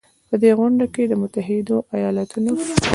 په دې غونډې کې د متحدو ایالتونو